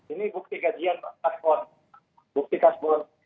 ini bukti kasus pembunuhan